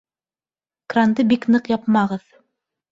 Кранды бик ныҡ япмағыҙ